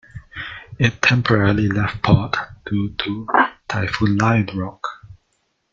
It temporarily left port due to Typhoon Lionrock.